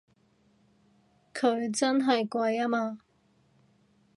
佢真係貴吖嘛！